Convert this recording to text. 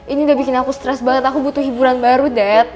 ini udah bikin aku stres banget aku butuh hiburan baru deh